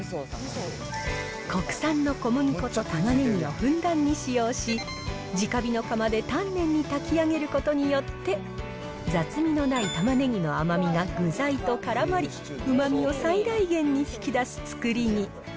国産の小麦粉とたまねぎをふんだんに使用し、じか火の釜で丹念に炊き上げることによって、雑味のないたまねぎの甘みが具材とからまり、うまみを最大限に引き出すつくりに。